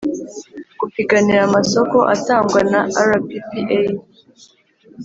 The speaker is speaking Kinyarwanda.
Gupiganira amasoko atangwa na rppa